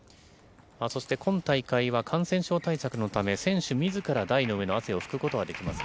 そして今大会は感染症対策のため、選手みずから、台の上の汗を拭くことはできません。